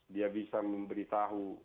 dia bisa memberitahu